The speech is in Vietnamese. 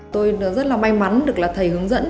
tôi rất là may mắn được là thầy hướng dẫn